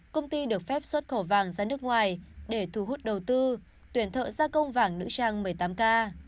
công ty được phép xuất khẩu vàng ra nước ngoài để thu hút đầu tư tuyển thợ gia công vàng nữ trang một mươi tám k